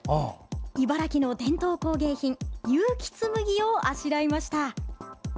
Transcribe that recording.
茨城の伝統工芸品結城紬をあしらいました。